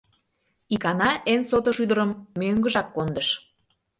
Икана эн сото шӱдырым мӧҥгыжак кондыш.